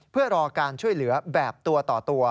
เพื่อรอการช่วยเหลือแบบตัวต่อตัว